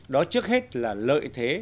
đó trước hết là lợi thế